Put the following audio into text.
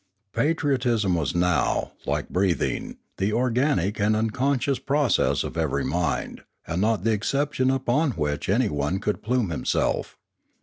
Patriotism was now, like breathing, the organic and unconscious process of every mind, and not the exception upon which anyone could plume himself.